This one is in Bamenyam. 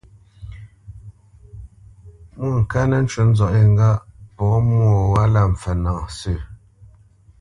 Mwôŋkát nə́ ncú nzɔ̌ʼ yé ŋgâʼ pɔ̌ mwô gho wálā mpfə́ nâ sə̂.